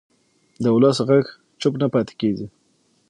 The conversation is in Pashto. د ولس غږ چوپ نه پاتې کېږي